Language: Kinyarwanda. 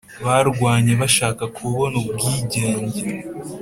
barwanye bashaka kubona ubwigenge